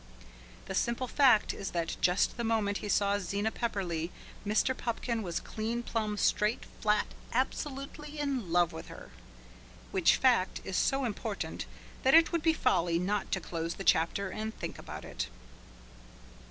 The simple fact is that just the moment he saw Zena Pepperleigh, Mr. Pupkin was clean, plumb, straight, flat, absolutely in love with her. Which fact is so important that it would be folly not to close the chapter and think about it.